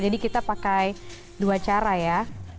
jadi kita pakai dua cara ya